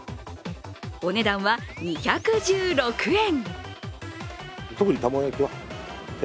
お値段は２１６円。